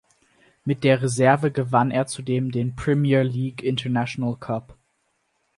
Mit der Reserve gewann er zudem den Premier League International Cup.